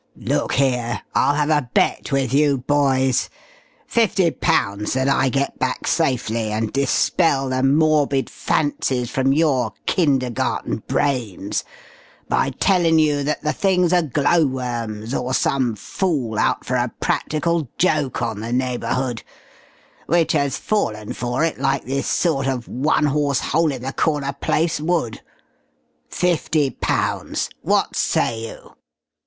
Look here. I'll have a bet with you boys. Fifty pounds that I get back safely, and dispel the morbid fancies from your kindergarten brains by tellin' you that the things are glow worms, or some fool out for a practical joke on the neighbourhood which has fallen for it like this sort of one horse hole in the corner place would! Fifty pounds? What say you?"